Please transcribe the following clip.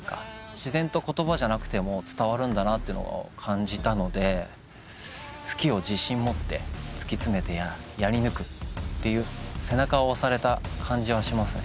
自然と言葉じゃなくても伝わるんだなっていうのを感じたので好きを自信持って突き詰めてやり抜くっていう背中を押された感じはしますね